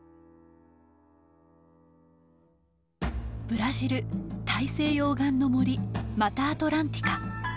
ブラジル大西洋岸の森マタアトランティカ。